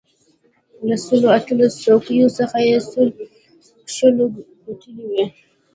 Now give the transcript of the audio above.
له سلو اتلسو څوکیو څخه یې سلو شلو ګټلې وې.